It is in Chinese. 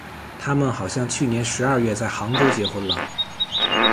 他们好像去年十二月在杭州结婚了。